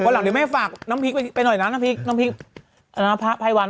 เหลือได้ไหมฝากน้ำพริกไปไปหน่อยนะน้ำพริกน้ำพล้ายวันไม่ใช่ครับ